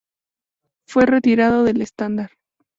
Fue retirado del estándar.